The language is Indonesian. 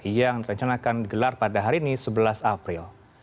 yang direncanakan digelar pada hari ini sebelas april